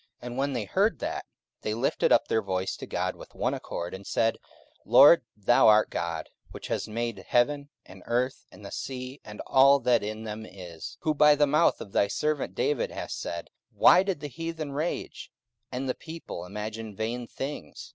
44:004:024 And when they heard that, they lifted up their voice to God with one accord, and said, Lord, thou art God, which hast made heaven, and earth, and the sea, and all that in them is: 44:004:025 Who by the mouth of thy servant David hast said, Why did the heathen rage, and the people imagine vain things?